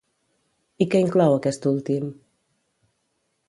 I què inclou aquest últim?